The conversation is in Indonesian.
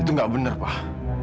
itu gak benar pak